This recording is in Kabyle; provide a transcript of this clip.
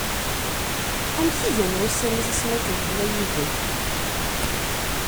Amek i gan wussan-is, ass mi akken tella yid-k.